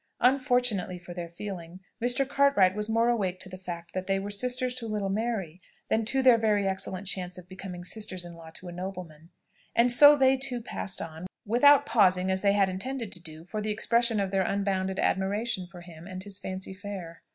Unfortunately for their feelings, Mr. Cartwright was more awake to the fact that they were sisters to little Mary, than to their very excellent chance of becoming sisters in law to a nobleman: and so they too passed on, without pausing, as they had intended to do, for the expression of their unbounded admiration for him and his Fancy Fair.